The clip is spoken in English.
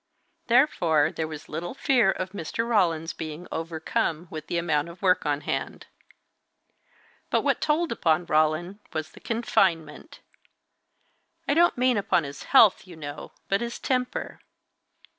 Therefore there was little fear of Mr. Roland's being overcome with the amount of work on hand. But what told upon Roland was the confinement I don't mean upon his health, you know, but his temper.